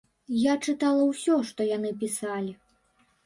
Я чытала ўсё, што яны пісалі.